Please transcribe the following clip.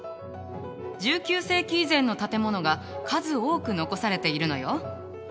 １９世紀以前の建物が数多く残されているのよ。